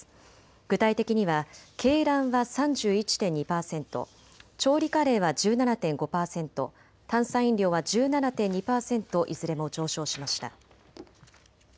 具体的には鶏卵が３１．２％、調理カレーは１７．５％、炭酸飲料は１７．２％いずれも上昇しました。